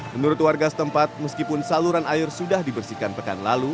menurut warga setempat meskipun saluran air sudah dibersihkan pekan lalu